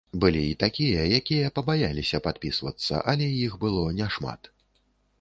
Былі і такія, якія пабаяліся падпісвацца, але іх было няшмат.